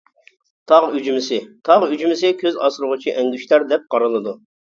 تاغ ئۈجمىسى: تاغ ئۈجمىسى كۆز ئاسرىغۇچى ئەڭگۈشتەر دەپ قارىلىدۇ.